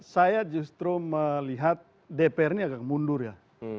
saya justru melihat dpr ini agak mundur ya